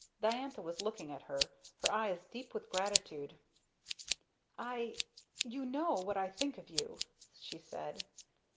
Diantha was looking at her, her eyes deep with gratitude. "I you know what I think of you!" she said.